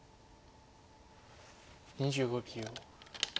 ２５秒。